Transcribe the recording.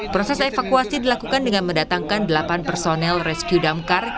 proses evakuasi dilakukan dengan mendatangkan delapan personel rescue damkar